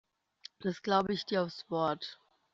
Das glaube ich dir aufs Wort.